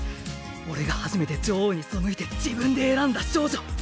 俺が初めて女王に背いて自分で選んだ少女。